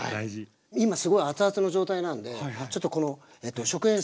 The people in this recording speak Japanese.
今すごい熱々の状態なんでちょっとこの食塩水ここに。